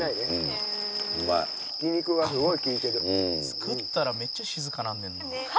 「作ったらめっちゃ静かなんねんな」